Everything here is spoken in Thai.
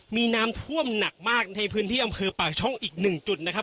มีน้ำท่วมหนักมากในพื้นที่อำเภอปากช่องอีกหนึ่งจุดนะครับ